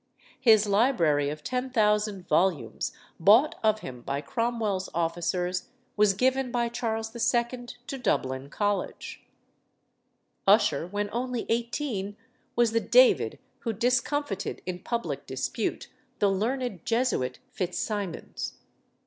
His library of 10,000 volumes, bought of him by Cromwell's officers, was given by Charles II. to Dublin College. Ussher, when only eighteen, was the David who discomfited in public dispute the learned Jesuit Fitz Simons.